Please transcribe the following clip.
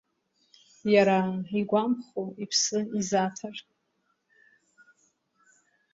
Иара игәамԥхо иԥсы изаҭар…